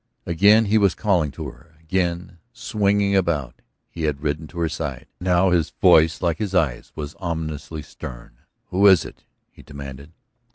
Again he was calling to her, again, swinging about, he had ridden to her side. Now his voice like his eyes, was ominously stern. "Who is it?" he demanded.